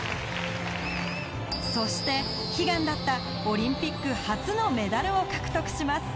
そして、悲願だったオリンピック初のメダルを獲得します。